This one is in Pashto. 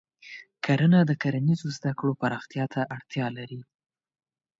کرنه د کرنیزو زده کړو پراختیا ته اړتیا لري.